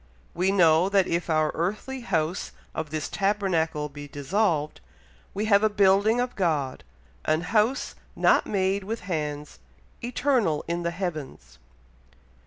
"We know that if our earthly house of this tabernacle be dissolved, we have a building of God, an house not made with hands, eternal in the heavens."